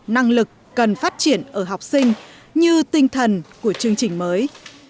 năng lực cần phát triển ở học sinh như tinh thần của chương trình mới